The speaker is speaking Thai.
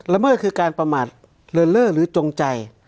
เมิดคือการประมาทเลินเล่อหรือจงใจ